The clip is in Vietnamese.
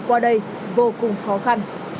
qua đây vô cùng khó khăn